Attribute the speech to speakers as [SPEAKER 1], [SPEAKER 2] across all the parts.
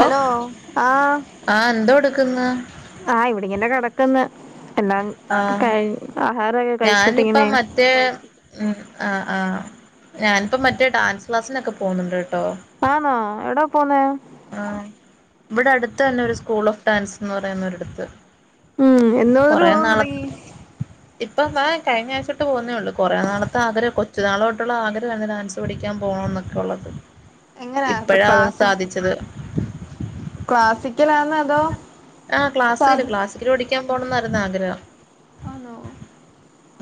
[SPEAKER 1] Hello ആഹ്
[SPEAKER 2] ആ എന്തോ എടുക്കുന്ന്
[SPEAKER 1] ആഹ് ഇവിടെങ്ങെ കിടക്കന്ന് എല്ലാം
[SPEAKER 2] ആഹ്
[SPEAKER 1] ആഹാരയോ
[SPEAKER 2] ഞാനിപ്പ മ മറ്റേ ആ ഞാനിപ്പോം മറ്റേ ഡാൻസ് ക്ലാസ്സിനൊക്കെ പോന്നുണ്ട് കേട്ടോ
[SPEAKER 1] ആന്നോ എവിടാ പോന്നേ
[SPEAKER 2] ആഹ് ഇവിടെടുത്തന്നെ ഒരു സ്കൂൾ ഓഫ് ഡാൻസ് എന്ന് പറയുന്ന ഒരിടുത്ത്
[SPEAKER 1] ഉം എന്ന് മുതല് പോവാൻ തുടങ്ങി
[SPEAKER 2] ഇപ്പൊന്താ കഴഞ്ഞ ആഴ്ചോട്ട് പോകുന്നേ ഉള്ള കൊറേ നാളത്തെ ആഗ്രഹ കൊച്ചു നാളോട്ട ആഗ്രഹം ആയിരുന്നു ഡാൻസ് പിടിക്കാൻ പോണ എന്നൊക്കെ ഉള്ളത്
[SPEAKER 1] എങ്ങനാ
[SPEAKER 2] ഇപ്പഴാ അതങ്‌ സാധിച്ചത്
[SPEAKER 1] ക്ലാസിക്കല ആ
[SPEAKER 2] ആ ക്ലാസ്സില് ക്ലാസ്സിക്കില് പഠിക്കാൻ പോണം എന്നായിരുന്നു ആഗ്രഹം
[SPEAKER 1] ആണോ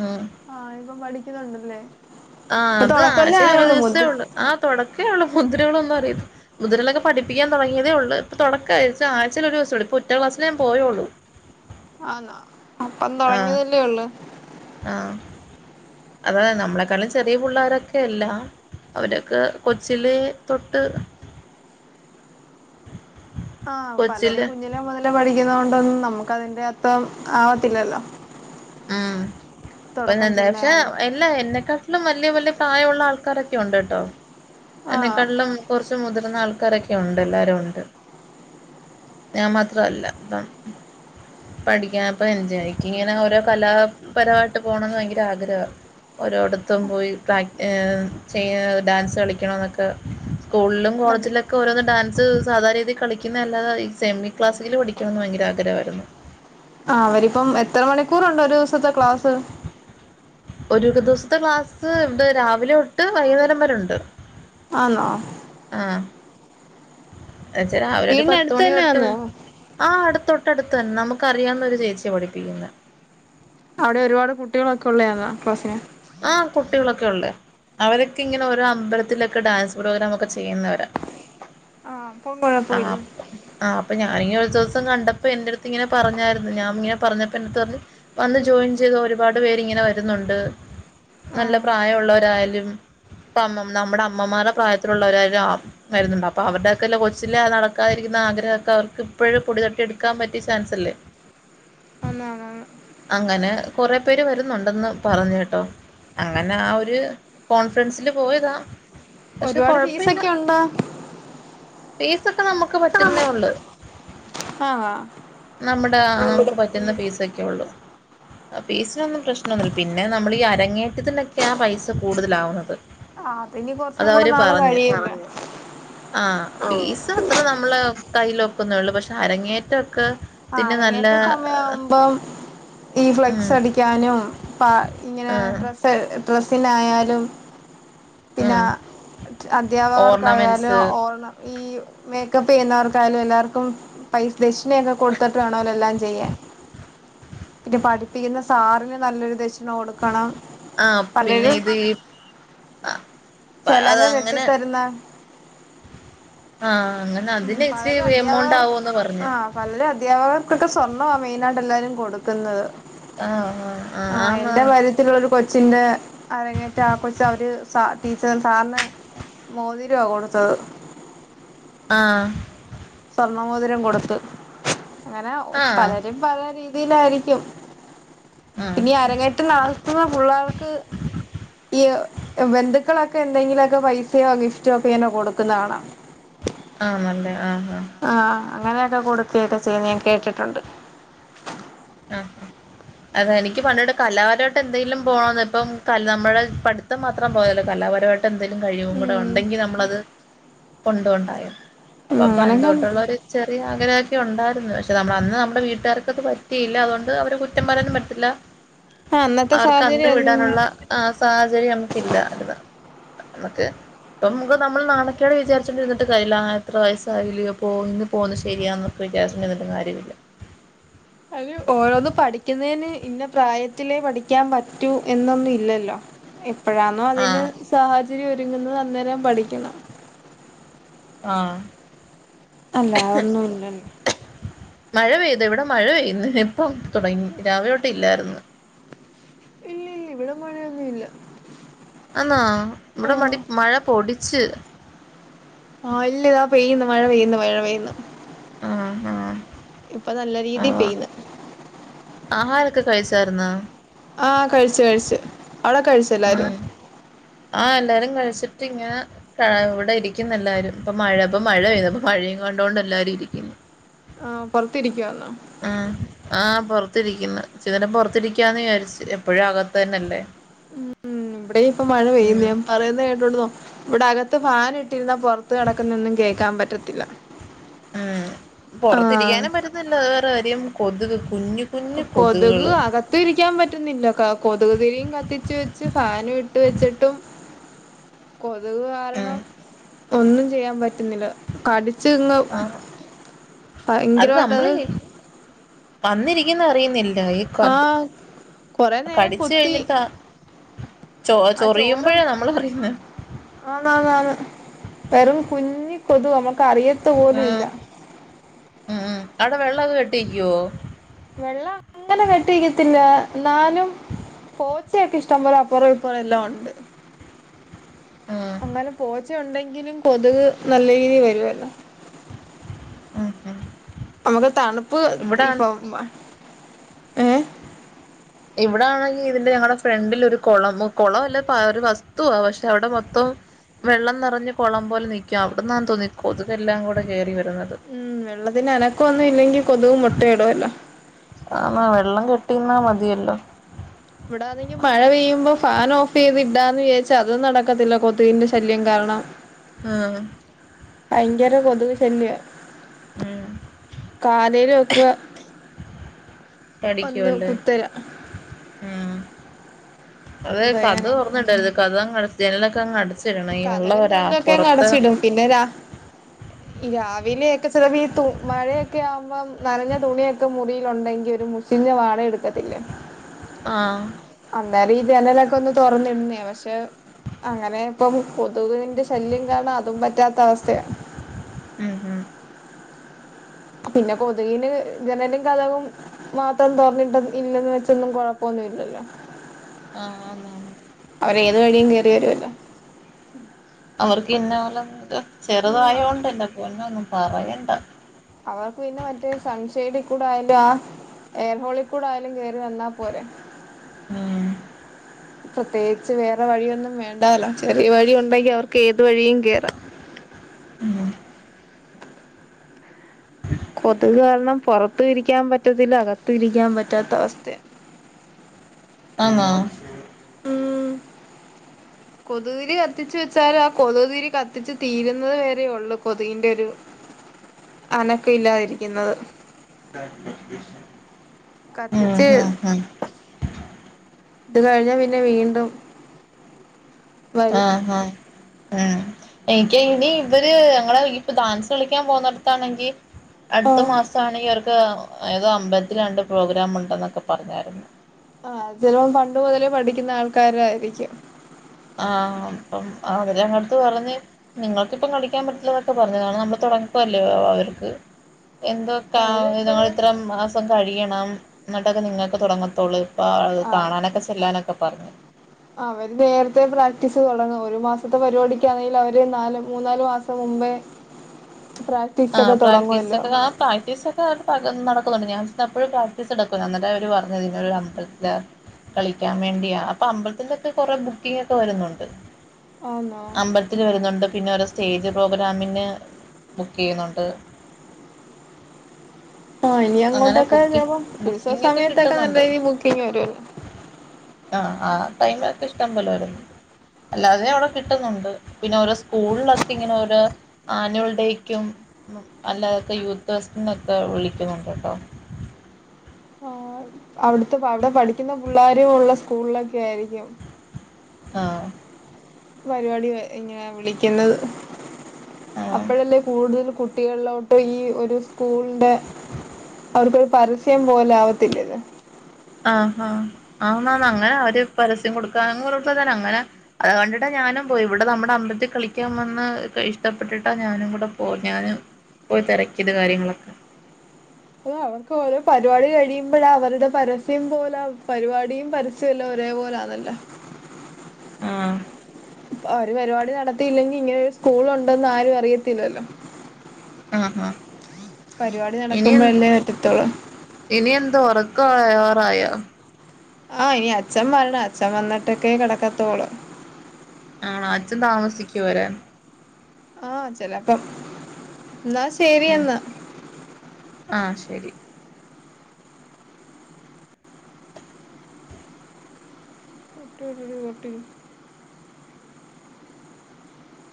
[SPEAKER 2] ഉം
[SPEAKER 1] ആഹ് ഇപ്പം പഠിക്കുന്നുണ്ടല്ലേ
[SPEAKER 2] ആ
[SPEAKER 1] ഇപ്പൊ
[SPEAKER 2] അത്
[SPEAKER 1] തൊടക്കല്ലേ
[SPEAKER 2] ആശയിൽ ഒരു
[SPEAKER 1] ആയുള്ളൂ
[SPEAKER 2] ദിവസേ
[SPEAKER 1] മുതി
[SPEAKER 2] ഉള്ള ആ തുടക്കേ ഉള്ള മുതി്രകള ഒന്നും അറയില്ല മുതിരലൊക്കെ പഠപ്പിക്കൻടങ്ങിയതേുള്ളൂ ഇപ്പ തൊടക്കയച്ച് ആയ്ചൽ ഒരു ദസ ഇപ്പൊ ഒറ്റ ക്ലാസിൽ ഞാൻ പോയുള്ളൂ
[SPEAKER 1] ആന്നാ അപ്പ
[SPEAKER 2] ആഹ്
[SPEAKER 1] തുടങ്ങിയതല്ലേള്ളു
[SPEAKER 2] ആഹ് അത നമ്മളെക്കാളും ചെറിയ പിള്ളോരൊക്കെ അല്ല അവരൊക്കെ കൊച്ചിലെ തൊട്ട്
[SPEAKER 1] ആഹ് പലരും
[SPEAKER 2] കൊച്ചില്
[SPEAKER 1] കുഞ്ഞിലെ മുതലേ പഠിക്കുന്നത കൊണ്ടൊന്നും നമുക്ക് അതിന്റെ അത്ം ആവത്തില്ലല്ലോ
[SPEAKER 2] ഉം ഇപ്പൊ
[SPEAKER 1] തൊടക്കം
[SPEAKER 2] എന്താച്ച
[SPEAKER 1] ചെന്നായോണ്ട്
[SPEAKER 2] അല്ല എന്നെക്കാട്ടിലും വലിയ വലിയ പ്രായമുള്ള ആൾക്കാരൊക്കെ ഉണ്ട് ട്ടോ
[SPEAKER 1] ആഹ്
[SPEAKER 2] എന്നെക്കാട്ടിലും കുറച്ച് മുതിർന്ന ആൾക്കാരൊക്കെ ഉണ്ട് എല്ലാവരും ഉണ്ട് ഞാൻ മാത്രവല്ല അപ്പം പഠിക്ക്യാ [unintelligible] ഇങ്ങനെ ഓരോ കലാപരവായിട്ട് പോണന്ന് ഭയങ്കര ആഗ്രഹാ ഓരോട്ത്തും പോയി പ്രാക് ഏഹ് ചെയ്യെ ഡാൻസ് കളിക്കണോന്നൊക്കെ സ്കൂള്ലും
[SPEAKER 1] എന്നിട്ട്
[SPEAKER 2] കോളജിലെ ക്കെ ഓരോരോ ഡാൻസ് സാധാ രീതി കളിക്ക്യിന്ന അല്ലാതെ ഈ സെമി ക്ലാസിക്കല് പഠിക്കണെന്ന് ഭയങ്കര ആഗ്രഹവാരുന്നു
[SPEAKER 1] ആഹ് അവരിപ്പം എത്രെ മണിക്കൂറ്ണ്ട് ഒരു ദിവസത്തെ ക്ലാസ്
[SPEAKER 2] ഒരൂക്ക് ദിവസത്തെ ക്ലാസ്സ് [unintelligible] രാവിലെത്തൊട്ട് വൈന്നേരം വരെ ഒണ്ട്
[SPEAKER 1] ആന്നോ
[SPEAKER 2] ആഹ് ഏഹ് ചെലാ അവര് ഒരു
[SPEAKER 1] വീടിന്റെ
[SPEAKER 2] പത്ത്
[SPEAKER 1] അടുത്ത് തന്നെ
[SPEAKER 2] മണിയൊട്ട്
[SPEAKER 1] ആന്നോ
[SPEAKER 2] ആഹ് ആടെ തൊട്ടട്ത്തന് നമുക്കറിയാവുന്ന ഒരു ചേച്ചിയാ പഠിപ്പിക്ക്യിന്നെ
[SPEAKER 1] അവടെ ഒരുപാട് കുട്ടികളൊക്കെ ഒള്ളെയായിരുന്നു ക്ലാസ്സിന്
[SPEAKER 2] ആഹ് കുട്ടികളൊക്കെയുള്ളെ അവരൊക്കെ ഇങ്ങനെ ഓരോ അമ്പത്തിലെക്കെ ഡാൻസ് പ്രോഗ്രാമൊക്കെ ചെയ്യ്ന്നവരാ
[SPEAKER 1] ആഹ്
[SPEAKER 2] ആഹ് അപ്പം ആഹ് അപ്പം ഞാനിങ്ങനെ ഒരു ദിവസം കണ്ടപ്പം എന്റെട്ത്ത് ഇങ്ങനെ പറഞ്ഞായിര്‌ന്ന് ഞാന് ഇങ്ങനെ പറഞ്ഞപ്പം എന്റെട്ത്ത് പറഞ്ഞ് വന്ന് ജോയിൻ ചെയ്തൊ ഒരു പാട് പേരിങ്ങനെ വര്ന്നുണ്ട്
[SPEAKER 1] ആ
[SPEAKER 2] നല്ല പ്രായവുള്ളവരായാലും ഇപ്പം അമ്മം നമ്മടെ അമ്മമാരെ പ്രായത്തിലുള്ളവരായാലും ആഹ് വെരുന്നുണ്ട് അപ്പ അവര്ടെക്കെല്ലെ കൊച്ചിലെ നടക്കാതിരിക്ക്ന്ന ആഗ്രഹൊക്കെ അവർക്കിപ്പഴും പൊടി തട്ടിയെടുക്കാൻ പറ്റിയ ച്യാൻസല്ലെ
[SPEAKER 1] ഒന്നാണോന്ന്
[SPEAKER 2] അങ്ങനെ കൊറേ പേര് വെരുന്ന്ണ്ടെന്ന് പറഞ്ഞ്ട്ടോ അങ്ങനെ ആ ഒര് കോൺഫറൻസില് പോയതാ പക്ഷേ
[SPEAKER 1] ഒരുപാട്
[SPEAKER 2] കൊഴപ്പല്ല്യ
[SPEAKER 1] ഫീസൊക്കെ ഉണ്ടോ
[SPEAKER 2] ഫീസൊക്കെ നമ്മക്ക് പറ്റുന്നെയുള്ള്
[SPEAKER 1] ആ
[SPEAKER 2] നമ്മടെ ആഹ് നമ്മക്ക് പ റ്റുന്ന ഫീസൊക്കെയൊള്ളു ആഹ് ഫീസിനൊന്നും പ്രശ്നൊന്നുല്ല പിന്നെ നമ്മള് ഈ അരങ്ങേ റ്റത്തിനൊക്ക്യയാ പൈസ കൂടുതലാവുന്നത്
[SPEAKER 1] ആ അതിനി കൊറച്ചും കൂടെ
[SPEAKER 2] അതവര്
[SPEAKER 1] നാള്
[SPEAKER 2] പറഞ്ഞ്
[SPEAKER 1] കഴിയല്ലോ
[SPEAKER 2] ആഹ് ഫീസ് അത്രെ ന മ്മളെ കൈലൊക്കുന്നേള്ളു പക്ഷേ അരങ്ങേറ്റൊക്കെ
[SPEAKER 1] ആഹ് അരങ്ങേറ്റ സമയാവുമ്പം ഈ ഫ്ലക്സ്
[SPEAKER 2] ഉം
[SPEAKER 1] അടിക്ക്യാനും പാ ഇങ്ങനെ
[SPEAKER 2] ആഹ്
[SPEAKER 1] ഡ്രസ്സ് ഡ്രസ്സിനായാലും പിന്നെ
[SPEAKER 2] ആഹ്
[SPEAKER 1] [unintelligible] അധ്യാപകർക്കായാലും
[SPEAKER 2] ഓർണമെന്റ്സ്
[SPEAKER 1] ഓർണ ഈ മേക്കപ്പെയ്യ്ന്നവർക്കായാലും എല്ലാർക്കു പൈ ദക്ഷിനെക്കെ കൊട് ത്തിട്ടാണോല്ലൊ എല്ലാം ചെയ്യാൻ പിന്നെ പഠിപ്പിക്കിന്ന സാറ്ന് നല്ലൊരു ദക്ഷിണ കൊട്ക്കണം
[SPEAKER 2] ആഹ് പിന്നെ ഇത് ഈ അത്
[SPEAKER 1] ചെലങ്ക
[SPEAKER 2] അങ്ങനെ
[SPEAKER 1] കെട്ടിത്തര്ന്ന
[SPEAKER 2] ആഹ് അങ്ങനെ
[SPEAKER 1] ഉം
[SPEAKER 2] അതിന് ഇച്ചി എമൗണ്ട് ആവോന്ന് പറഞ്ഞ്
[SPEAKER 1] നല്ല അധ്യാപകർക്കൊക്കെ സ്വർണ്ണവാ മെയിനായിട്ടെല്ലാരും കൊട്ക്ക്ന്നത്
[SPEAKER 2] ആഹ്
[SPEAKER 1] ആഹ്
[SPEAKER 2] ആന്ന്
[SPEAKER 1] എന്റെ
[SPEAKER 2] ആന്ന്
[SPEAKER 1] പരി ത്തിലുള്ളൊര് കൊച്ചിന്റെ അരങ്ങേറ്റം ആ കൊച്ച് അവര് സാ ടീച്ചർ സാറിന് മോതിരാ കൊട്ത്തത്
[SPEAKER 2] ആഹ്
[SPEAKER 1] സ്വർണ്ണമോതിരം കൊടുത്ത് അങ്ങനെ ഓഹ്
[SPEAKER 2] ആഹ്
[SPEAKER 1] പലരും പല രീതിയിലായിരിക്ക്യും
[SPEAKER 2] ആഹ്
[SPEAKER 1] പിന്നെ ഈ അരങ്ങേറ്റം നടത്തുന്ന പുള്ളാർക്ക് ഈ ബന്ധുളൊക്കെ എന്തെങ്കിലൊക്കെ പൈസയോ ഗിഫ്റ്റോ ഒക്കെ ഇങ്ങനെ കൊടുക്കുന്നത് കാണ
[SPEAKER 2] ആഹ് നല്ലത് ആഹ് ആഹ്
[SPEAKER 1] ആഹ് അങ്ങനെയൊക്കെ കൊടുക്കോക്കെചെയ്യുന്നത് ഞാൻ കേട്ടിട്ടുണ്ട്
[SPEAKER 2] ആഹ് അഹ് അതെ എനിക്ക് പണ്ടേ ഒട്ട് കലാപരമായിട്ട് എന്തേലും പോണന്ന്‌ ഞമ്മളെ പട്ത്തം മാത്രം പോരല്ലൊ, കലാപരമായിട്ട് എന്തെലും കഴിവും കൂടെ
[SPEAKER 1] ഉം
[SPEAKER 2] ഉണ്ടെങ്കി നമ്മളത് കൊണ്ടൊണ്ടായോ അപ്പൊ
[SPEAKER 1] ഉം അങ്ങനൊക്കെ
[SPEAKER 2] പണ്ടേട്ടുള്ള ഒരു ചെറിയ ആഗ്രഹൊക്കെ ഉണ്ടായിരുന്നു, പക്ഷെ നമ്മൾ അന്ന് നമ്മുടെ വീട്ടുകാർക്കത് പറ്റീ റ്റയില്ല അതോണ്ട് അവരെ കുറ്റം പറയാനും പറ്റില്ല
[SPEAKER 1] അന്നത്തെ
[SPEAKER 2] അവർക്ക് അന്ന്
[SPEAKER 1] സാഹചര്യം
[SPEAKER 2] വിടാനുള്ള ആ സാഹചര്യം നമുക്കില്ലാ, അഥവാ നമുക്ക് പ്പം നമ്മക്ക് ഞമ്മൾ നാണക്കേട് വിചാരിച്ചോണ്ടിര്ന്നിട്ട് കാര്യല്ല്യ ആ ഇത്ര വയസായില്ലേ, പോവ്ന്ന് ഇനി പോവുന്നത് ശര്യാന്നോ ഇപ്പോ വിചാരിച്ചിണ്ടിരുന്നിട്ടും കാര്യമില്ല
[SPEAKER 1] അയിന് ഓരോന്ന് പഠിക്കുന്നതിന് ഇന്ന പ്രായത്തിലേ പഠിക്കാൻ പറ്റൂ എന്നൊന്നും ഇല്ലല്ലോ എപ്പോഴാണോ അതിന്
[SPEAKER 2] ആഹ്
[SPEAKER 1] സാഹചര്യം ഒരുങ്ങുന്നത് അന്നേരം പഠിക്കണം
[SPEAKER 2] ആഹ്
[SPEAKER 1] അല്ല അതൊന്നുംല്ലല്ലോ
[SPEAKER 2] മഴ പെയ്തു ഇവിടെ മഴ പെയ്യുന്ന്, ഇപ്പം തുടങ്ങി രാവിലെ തൊട്ട് ഇല്ലായിരുന്നു.
[SPEAKER 1] ഇല്ല ഇല്ല ഇവിടെ മഴയൊന്നും ഇല്ല
[SPEAKER 2] ആന്നോ ഇവിടെ
[SPEAKER 1] ആഹ്
[SPEAKER 2] മടി മഴ പൊടിച്ച്
[SPEAKER 1] ആഹ് ഇല്ലതാ പെയ്യുന്നു മഴ പെയ്യുന്നു മഴ പെയ്യുന്നു
[SPEAKER 2] ആഹ് ആഹ്
[SPEAKER 1] ഇപ്പൊ നല്ല രീതി
[SPEAKER 2] ആഹ്
[SPEAKER 1] പെയ്യുന്നു
[SPEAKER 2] ആഹാരൊക്കെ കഴിച്ചാരുന്നൊ
[SPEAKER 1] ആഹ് കഴിച്ചു കഴിച്ചു അവിടെ കഴിച്ചോ? എല്ലാരും
[SPEAKER 2] ആഹ് ആഹ് എല്ലാരും കഴിച്ചിട്ടിങ്ങനെ ഇവിടെ ഇരിക്കുന്നു എല്ലാരും, ഇപ്പ മഴ ഇപ്പ മഴ പെയ്യുന്നു അപ്പ മഴയും കണ്ടൊണ്ട് എല്ലാരും ഇരിക്കുന്നു.
[SPEAKER 1] ആഹ് പുറത്തിരിക്കുവാന്നോ
[SPEAKER 2] ആഹ് പൊറത്തിരിക്കുന്നു, ഇച്ചിരി നേരം പൊറത്തിരിക്കാന്നന് വിചാരിച്ച്, എപ്പോഴും അകത് തന്നെല്ലേ
[SPEAKER 1] ഉം, ഇവിടെയും ഇപ്പ മഴ പെയ്യുന്ന ഞൻ പറയുന്ന കേട്ടോണ്ട്, ഇവിടെ അകത്ത് ഫാൻ ഇട്ട് ടിരുന്ന പുറത്ത് നടക്കുന്നതൊന്നും കേൾക്കാൻ പറ്റത്തില്ല
[SPEAKER 2] ഉം
[SPEAKER 1] ആഹ്
[SPEAKER 2] പുറത്തിരിക്കാനും പറ്റത്തില്ല അത്‌ വേറെ കാര്യം, കൊതുക് കുഞ്ഞു കുഞ്ഞു
[SPEAKER 1] കൊതുക്,
[SPEAKER 2] കൊതുകുകള്
[SPEAKER 1] ആകത് തി ഇരിക്കാൻ പറ്റുന്നില്ല, കൊതുകുതിരിയും, കത്തിച്ച വെച്ച് ഫാനും ഇട്ട് വെച്ചിട്ടും
[SPEAKER 2] [unintelligible]
[SPEAKER 1] കൊതുക്
[SPEAKER 2] ഉം
[SPEAKER 1] കാരണം ഒന്നും ചെയ്യാൻ പറ്റുന്നില്ല കടിച്ചങ്ങ്
[SPEAKER 2] ആഹ്
[SPEAKER 1] ഭയങ്കരമായിട്ടത്
[SPEAKER 2] വന്നിരിക്കുന്നത് അറിയുന്നില്ല, ഈക
[SPEAKER 1] ആഹ് കൊറെ നേരം
[SPEAKER 2] കടിച്ച
[SPEAKER 1] കുത്തി
[SPEAKER 2] കഴിഞ്ഞിട്ടാ ചോ ചൊറിയുമ്പോഴാ നമ്മൾ അറിയുന്നേ
[SPEAKER 1] ആന്നാന്ന്, വെറും കുഞ്ഞി കൊതു നമ്മുക്ക് അറിയ
[SPEAKER 2] ഉം ഉ അവിടെ, വെള്ളൊക്കെ കെട്ടി നിക്കുവോ
[SPEAKER 1] വെള്ളം അങ്ങനെ കെട്ടി നിക്കത്തില്ല, എന്നാലും പോച്ചയൊക്കെ ഇഷ്ടം പോലെ അപ്പുറം ഇപ്പറം എല്ലാം ഉണ്ട്
[SPEAKER 2] ഉം
[SPEAKER 1] അങ്ങനെ പോച്ച ഉണ്ടെങ്കിലും കൊതുക്നല്ല രീതി വരുവല്ലോ
[SPEAKER 2] ഉം ഉം
[SPEAKER 1] നമുക്ക് തണുപ്പ്
[SPEAKER 2] ഇവിടാണ്
[SPEAKER 1] ഇപ്പം ഏ
[SPEAKER 2] ഇവിടെ ആണെങ്കിൽ ഇതിന്റെ ഞങ്ങളടെ ഫ്രണ്ടിൽ ഒരു കുളം കുളം അല്ല, പാ ഒരു വസ്തുവ പക്ഷെ അവിടെ മൊത്തം വെള്ളം നിറഞ്ഞ്, കുളം പോലെ നിൽക്ക, അവിടന്ന് ആണെന്ന് തോന്ന് ഈ കൊതുക് എല്ലാം കയറി വരുന്നത്
[SPEAKER 1] ഉം വെള്ളത്തിന് അനക്കം ഒന്നും ഇല്ലെങ്കിൽ കൊതു മുട്ടയിടോല്ലോ
[SPEAKER 2] ആന്നാ വെള്ളം കെട്ടിന്നാ മതിയല്ലോ
[SPEAKER 1] ഇവിടാണെങ്കി മഴ പെയ്യുമ്പോ ഫാൻ ഓഫ്യ്ത് ഇടാന്ന് വിചാരിച്ച അതും നടക്കത്തില്ല കൊതുകിന്റെ ശല്യം കാരണം
[SPEAKER 2] ആഹ്
[SPEAKER 1] ഭയങ്കര കൊതുക് ശല്യ
[SPEAKER 2] ഉം
[SPEAKER 1] കാലേല് ഒക്കെ വന്ന്
[SPEAKER 2] കടിക്കുവല്ലേ,
[SPEAKER 1] കുത്തല
[SPEAKER 2] ഉം അതെ
[SPEAKER 1] എന്ത്
[SPEAKER 2] കതവ്
[SPEAKER 1] ചെയ്യാനാ
[SPEAKER 2] തുറന്നിടരുത്, കതവെങ്ങട് ജനലൊക്കെ അങ്ങ് അടച് ച്ചിടണം ഇ ഉള്ളോരാ പുറത്ത്
[SPEAKER 1] പിന്നെരാ
[SPEAKER 2] ഉം
[SPEAKER 1] ഇ രാവിലെയൊക്കെ ചിലപ്പോ, ഈ തു മഴയൊക്കെ ആഉമ്പം നനഞ്ഞ തുണിയൊക്കെ മുറിയിലുണ്ടെങ്കി ഒരു മു ഷിഞ്ഞ വാട എടുക്കത്തില്ലേ
[SPEAKER 2] ആഹ്
[SPEAKER 1] അന്നേരം, ഈ ജനലൊക്കെ ഒന്ന് തുറന്നിടുന്നയാ, പക്ഷെ അങ്ങനെ ഇപ്പം കൊതുവിന്റെ ശല്യം കാരണതും പറ്റാത്ത അവസ്ഥയാ
[SPEAKER 2] ഉം ഉം
[SPEAKER 1] പിന്നെ കൊതുകിന് ജനലും കതവും മാത്രം തൊർന്നിട്ട ഇല്ലെന്ന് വെച്ചൊന്നും കൊഴപ്പൊന്നുല്ലല്ലോ
[SPEAKER 2] ആഹ് ന്ന്
[SPEAKER 1] അവരേത് വഴിയു കേറി വരുല്ലോ
[SPEAKER 2] അവർക്ക് ഇന്നപോലെ ത്
[SPEAKER 1] ഉം അ
[SPEAKER 2] ചെറുതായോണ്ട് എന്റെ പൊന്നോന്നു പറയണ്ട
[SPEAKER 1] അവർക്ക് പിന്നെ മറ്റേ സൺഷെയ്ഡികൂടെ ആയിൻ്റെ ആഹ് ഏർഹോളിക്കൂടയാലും കേറി വന്നാ പോരെ
[SPEAKER 2] ഉം
[SPEAKER 1] പ്രത്യേകിച്ച് വേറെ വഴിയൊന്നും വേണ്ടാലാ ചെറിയ വഴിയുണ്ടെങ്കി അവർക്ക് ഏത് വഴിയു കേറാം
[SPEAKER 2] ഉം
[SPEAKER 1] കൊതുക് കാരണം പെറത്തുരിക്കാൻ പറ്റത്തില്ല അകത്തും ഇരിക്കാൻ പറ്റാത്ത അവസ്ഥയാ
[SPEAKER 2] ആന്നോ
[SPEAKER 1] കൊതുകുതിരി കത്തിച്ച വെച്ചാല് ആ കൊതുകതിരി കത്തിച്ച് തീരുന്നത് വരെയള്ളു കൊതുകിൻ്റൊരു അനക്കല്ലാതിരിക്കുന്നത്
[SPEAKER 2] [inaudible] ഉം
[SPEAKER 1] കത്തിച്ച്
[SPEAKER 2] ഉം ഉം
[SPEAKER 1] ഇത്കഴിഞ്ഞാ പിന്നെ വീണ്ടും വരും
[SPEAKER 2] ആഹ് ആഹ് അഹ് എനിക്ക് ഇനി ഇവര് ഞങ്ങളെ ഇപ്പൊ ഡാൻസളിക്കാൻ പോന്നടത്താണെങ്കി
[SPEAKER 1] ആഹ്
[SPEAKER 2] അടുത്തമാസാണെങ്കി ഇവർക്ക് ഏതോ അമ്പത്തിൽ രണ്ട് പ്രോഗ്രാമുണ്ടെന്നൊക്കെ പറഞ്ഞായിരുന്നു
[SPEAKER 1] ആഹ് ചെലപ പണ്ട് മുതലേ പഠിക്കുന്ന ആൾക്കാരായിരിക്കും
[SPEAKER 2] ആഹ് അപ്പം അവര് അങ്ങട്ട്പറഞ്ഞ് നിങ്ങൾക്കിപ്പം കളിക്കാൻ പറ്റില്ലതൊക്കെ പറഞ്ഞതാണ് നമ്മള് തുടങ്ങക്കല്ലേ അവർക്ക് എന്തോ കാ
[SPEAKER 1] അവരെപ്പഴേ
[SPEAKER 2] നിങ്ങളത്ര മാസം കഴിയണം എന്നിട്ടൊക്കെ നിങ്ങക്ക് തെടങ്ങത്തുള്ളൂ പ്പോ അഹ്
[SPEAKER 1] ആഹ്
[SPEAKER 2] കാണാനൊക്കെ ചെല്ലാനൊക്കെ പറഞ്ഞു
[SPEAKER 1] അവര് നേരത്തെ പ്രാക്ടീസ് തെടങ്ങു ഒരു മാസത്തെ പരിപാടിക്കണെങ്കിലു അവര് നാല് മൂന്നാല് മാസം പ്പോ മുമ്പേ
[SPEAKER 2] ആഹ്
[SPEAKER 1] പ്രാക്ടീസൊക്കെ തൊടങ്ങുവല്ലോ
[SPEAKER 2] പ്രാക്ടീസൊക്കെ ആ നടക്കുന്നുണ്ട് ഞാൻ ചെന്നപ്പോഴും പ്രാക്ടീസടുക്കും എന്നവര് പറഞ്ഞ അമ്പത്തില് കളിക്കാൻ വേണ്ടിയാ അപ്പൊ അമ്പലത്തിന്റെക്കെ കൊറെ ബുക്കിംഗ് ക്കെ വരുന്നുണ്ട്
[SPEAKER 1] ആന്നോ
[SPEAKER 2] ത്തില് വരുന്നുണ്ട് പിന്നെ ഓരോ സ്റ്റേജ് പ്രോഗ്രാമിന്ന് ചെയ്യുന്നുണ്ട്
[SPEAKER 1] ആ ഇനി
[SPEAKER 2] അങ്ങനെ
[SPEAKER 1] അങ്ങോട്ടൊക്കെ
[SPEAKER 2] ബുക്കിംഗ്
[SPEAKER 1] ചെലപ്പോ ഉത്സവ
[SPEAKER 2] ബുക്കിംഗ്
[SPEAKER 1] സമയത്തൊക്കെ നല്ല രീതില് ബുക്കിങ്ങ് വരുല്ലോ
[SPEAKER 2] ആ ആ ടൈമൊക്കെ ഇഷ്ടപോലെ വരുല്ലോ അല്ലാതെ അവിടെ കിട്ടുന്നുണ്ട് പിന്നെ ഓരോ സ്കൂളൊക്കെ ഇങ്ങനെ ഒരു ആനുവൽഡേയ്ക്കും അല്ലാതൊക്കെ യൂത്ത് ഫെസ്റ്റിനൊക്കെ വിളിക്കുന്നുണ്ടട്ടോ
[SPEAKER 1] ആ അവിടുത്തെ അവിടെ പഠിക്കുന്ന പുള്ളാര ഉള്ള സ്കൂളൊലൊക്കെ ആയിരിക്കും
[SPEAKER 2] ആ
[SPEAKER 1] പരിപാടി ഇങ്ങനാ വിളിക്കുന്നത്
[SPEAKER 2] ആഹ്
[SPEAKER 1] അപ്പോഴല്ലേ കൂടുതല് കുട്ടികൾലോട്ട് ഈ ഒരു സ്കൂൾൻ്റെ അവർക്കൊരു പരസ്യം പോലെ ആവത്തില്ലേത്
[SPEAKER 2] ആആ ആ ന്നാ അങ്ങനെ അവര് പരസ്യം കൊടുക്കാറള്ളതന്നെ അങ്ങനെ അഹ് കണ്ടിട്ടാ ഞാനും പോയി ഇവിട നമ്മടെ അമ്പലത്തിൽ കളിക്കാൻ വന്ന് ഇഷ്ടപ്പെട്ടിട്ടാ ഞാനും കൂടെപോ ഞാനും പോയി തെരക്കിയത് കാര്യങ്ങളൊക്കെ
[SPEAKER 1] അ അവർക്ക് ഓരോ പരിപാടി കഴിയുമ്പോഴ അവരുടെ പരസ്യം പോലെ പരിപാടിയും പരസ്യ സ്യല്ലോരേ പോലാന്നല്ലാ
[SPEAKER 2] ആ
[SPEAKER 1] ഒരു പരിപാടി നടത്തിയില്ലെങ്കിൽ ഇങ്ങനെ ഒരു സ്കൂൾ ഉണ്ടന്ന് ആരും അറിയത്തില്ലല്ലോ
[SPEAKER 2] ആ ആ
[SPEAKER 1] പരിപാടി നടക്കുമ്പോ അല്ലേ പറ്റത്തുള്ളൂ
[SPEAKER 2] ഇനി എന്താ ഉറകം ഉറങ്ങാറായോ
[SPEAKER 1] ആ ഇനി അച്ഛൻ വരണം അച്ഛൻ വന്നിട്ടൊക്കെ കിടക്കാത്തോള്ളും
[SPEAKER 2] ആണോ അച്ഛൻ താമസിക്കോ വരാൻ
[SPEAKER 1] ആ ചിലപ്പം എന്നാ ശെരി എന്നാ
[SPEAKER 2] ആ ശരി
[SPEAKER 1] [unintelligible]